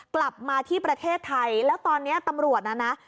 กลับมาที่ประเทศไทยแล้วตอนนี้ตำรวจนะนะ